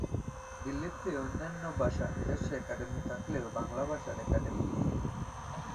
দিল্লিতে অন্যান্য ভাষার নিজস্ব একাডেমি থাকলেও বাংলা ভাষা একাডেমি নেই।